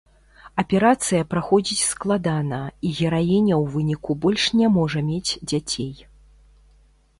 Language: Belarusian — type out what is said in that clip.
Аперацыя праходзіць складана, і гераіня ў выніку больш не можа мець дзяцей.